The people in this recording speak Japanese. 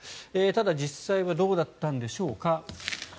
ただ、実際はどうだったんでしょうか。